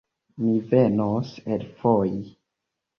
Mi venos elfoj